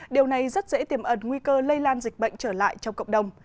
điều này rất dễ tiềm ẩn nguy cơ lây lan dịch bệnh trở lại trong cộng đồng